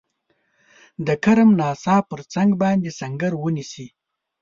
د کرم ناسا پر څنګ باندي سنګر ونیسي.